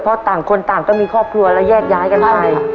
เพราะต่างคนต่างก็มีครอบครัวแล้วแยกย้ายกันไป